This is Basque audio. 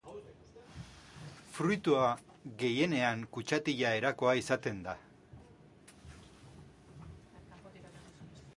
Fruitua gehienean kutxatila erakoa izaten da.